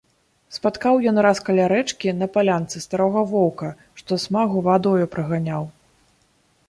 Спаткаў ён раз каля рэчкі, на палянцы, старога воўка, што смагу вадою праганяў.